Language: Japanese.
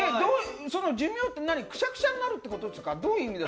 その寿命って、くしゃくしゃになるということですか？